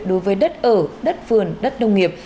đối với đất ở đất vườn đất đông nghiệp